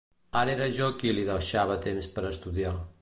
Ara era jo qui li deixava temps per a estudiar.